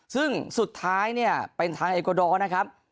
ซึ่งสุดท้ายเป็นทางเอฟโกดอลนะครับ